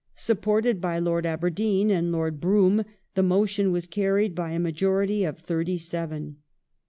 *' Supported by Lord Aberdeen and Lord Brougham, the motion was candied by a majority of thirty seven.